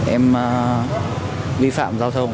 em vi phạm giao thông ạ